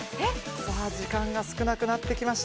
時間が少なくなってきました。